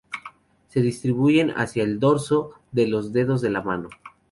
Se distribuyen hacia el dorso de los dedos de la mano.